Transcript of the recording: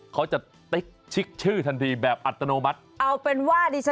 เค้าจะเต๊ะขชื่อทันทีแบบอัตโนมัติ